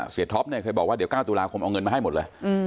ท็อปเนี่ยเคยบอกว่าเดี๋ยว๙ตุลาคมเอาเงินมาให้หมดเลย